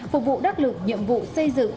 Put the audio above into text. phục vụ đắc lực nhiệm vụ xây dựng